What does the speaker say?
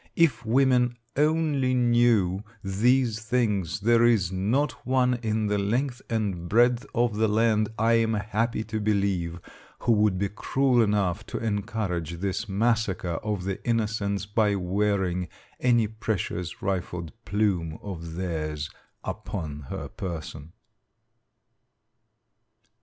If women only knew these things there is not one in the length and breadth of the land, I am happy to believe, who would be cruel enough to encourage this massacre of the innocents by wearing any precious rifled plume of theirs upon her person.